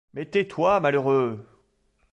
Mais tais-toi, malheureux !